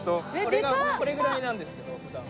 これぐらいなんですけど普段は。